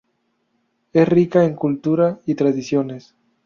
Es rica en cultura y tradiciones.